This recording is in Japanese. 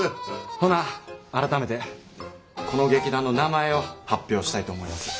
ほな改めてこの劇団の名前を発表したいと思います。